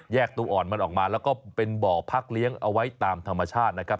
ตัวอ่อนมันออกมาแล้วก็เป็นบ่อพักเลี้ยงเอาไว้ตามธรรมชาตินะครับ